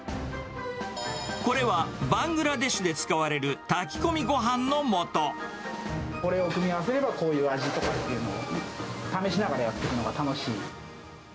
これはバングラデシュで使わこれを組み合わせれば、こういう味になるっていうのを試しながらやっているのが楽しい。